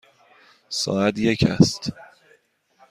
ساعت یک است.